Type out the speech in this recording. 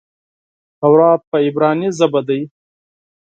تورات په عبراني ژبه دئ.